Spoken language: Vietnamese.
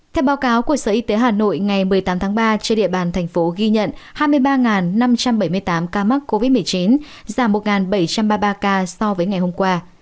theo báo cáo của sở y tế hà nội ngày một mươi tám tháng ba trên địa bàn thành phố ghi nhận hai mươi ba năm trăm bảy mươi tám ca mắc covid một mươi chín giảm một bảy trăm ba mươi ba ca so với ngày hôm qua